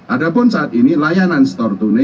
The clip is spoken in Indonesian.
adapun saat ini layanan store tune